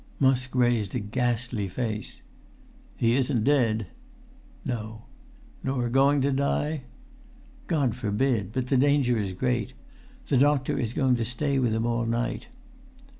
Musk raised a ghastly face. "He isn't dead?" "No." "Nor going to die?" "God forbid! But the danger is great. The doctor is going to stay with him all night."